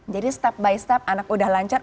jadi step by step anak udah lancar